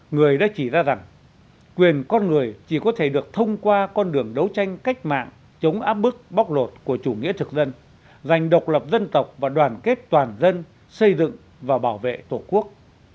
người đã chỉ ra rằng quyền con người chỉ có thể được thông qua con đường đấu tranh cách mạng chống áp bức bóc lột của chủ nghĩa thực dân giành độc lập dân tộc và đoàn kết toàn dân xây dựng và bảo vệ tổ quốc